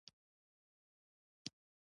پاچا چې د قاصد خبرې واوریدې خوشحاله شو.